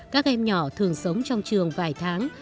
các em nhỏ thường sống trong trường vài tháng